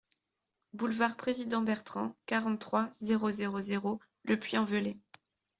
Boulevard Président Bertrand, quarante-trois, zéro zéro zéro Le Puy-en-Velay